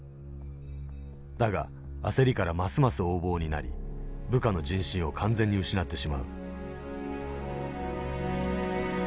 だが焦りからますます横暴になり部下の人心を完全に失ってしまう。